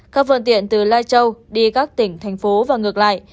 các phương tiện từ lai châu đi các tỉnh thành phố và ngược lại